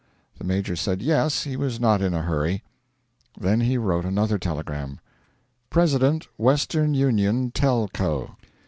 The Major said yes, he was not in a hurry. Then he wrote another telegram: 'President Western Union Tel. Co.